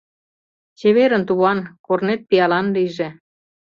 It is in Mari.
— Чеверын, туван, корнет пиалан лийже!